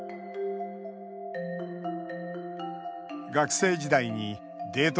学生時代にデート